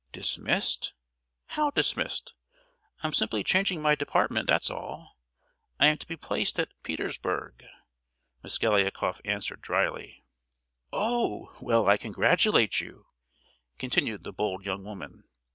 "Dismissed! How dismissed? I'm simply changing my department, that's all! I am to be placed at Petersburg!" Mosgliakoff answered, drily. "Oh! well, I congratulate you!" continued the bold young woman.